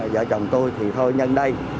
vợ chồng tôi thì thôi nhân đây